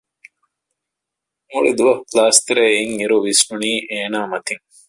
މުޅި ދުވަހު ކްލާސްތެރޭ އިން އިރު ވިސްނުނީ އޭނާ މަތިން